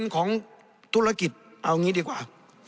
๕ของธุรกิจเอาอย่างนี้ดีกว่า